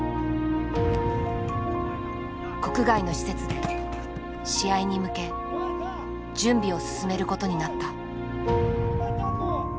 国外の施設で試合に向け準備を進めることになった。